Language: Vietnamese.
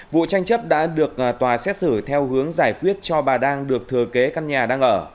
vụ tranh chấp đã được tòa xét xử theo hướng giải quyết cho bà đang được thừa kế căn nhà đang ở